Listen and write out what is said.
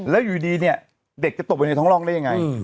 แล้วอยู่ดีเนี่ยเด็กจะตกไปในท้องร่องได้ยังไง